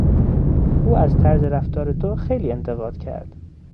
او از طرز رفتار تو خیلی انتقاد کرد.